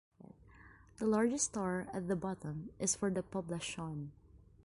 The largest star at the bottom is for the Poblacion.